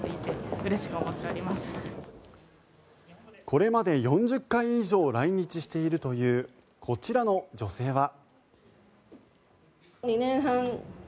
これまで４０回以上来日しているというこちらの女性は。